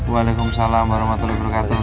waalaikumsalam warahmatullahi wabarakatuh